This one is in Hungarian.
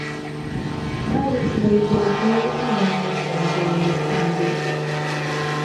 Május végétől június végéig ívik.